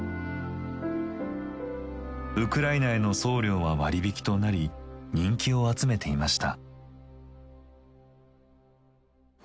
ウクライナへの送料は割引となり人気を集めていました。